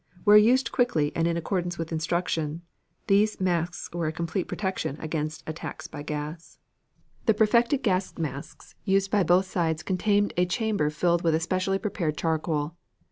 Where used quickly and in accordance with instructions, these masks were a complete protection against attacks by gas. The perfected gas masks used by both sides contained a chamber filled with a specially prepared charcoal.